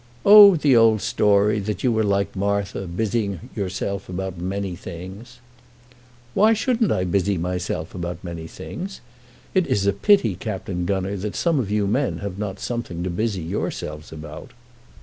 "Oh, the old story; that you were like Martha, busying yourself about many things." "Why shouldn't I busy myself about many things? It is a pity, Captain Gunner, that some of you men have not something to busy yourselves about."